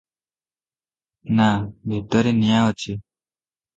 ନା, ଭିତରେ ନିଆଁ ଅଛି ।